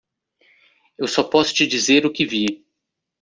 Eu só posso te dizer o que vi.